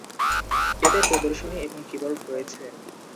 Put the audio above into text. এতে প্রদর্শনী এবং কিবোর্ড রয়েছে।